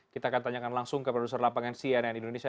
kita akan tanyakan langsung ke produser lapangan cnn indonesia